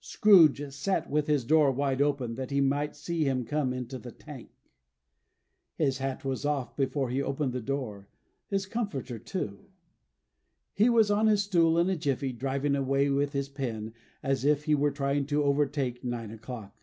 Scrooge sat with his door wide open, that he might see him come into the Tank. His hat was off, before he opened the door, his comforter, too. He was on his stool in a jiffy, driving away with his pen, as if he were trying to overtake nine o'clock.